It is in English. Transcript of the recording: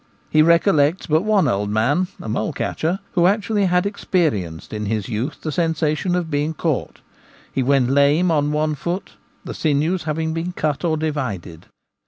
He recollects but one old man (a mole catcher) who actually had expe rienced in his youth the sensation of being caught ; he went lame on one foot, the sinews having been cut or divided.